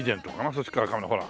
そっちからカメラほら。